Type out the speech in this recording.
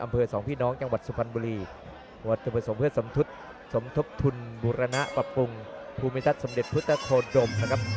เพื่อสองพี่น้องจังหวัดสมพันธ์บุรีสมทบทุนบุรณะปรับปรุงภูมิทัศน์สำเด็จพุทธโฆฏดมนะครับ